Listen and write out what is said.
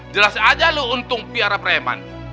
jelas aja lu untung piara preman